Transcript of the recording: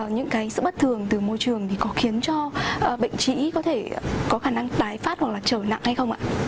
những cái sự bất thường từ môi trường thì có khiến cho bệnh sĩ có thể có khả năng tái phát hoặc là trở nặng hay không ạ